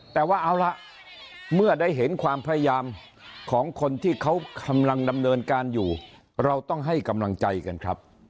แต่ว่าเอาล่ะเมื่อได้เห็นความพยายามของคนที่เขากำลังดำเนินการอยู่เราต้องให้กำลังใจกันครับ